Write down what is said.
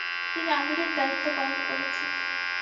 তিনি আমিরের দায়িত্বপালন করেছেন।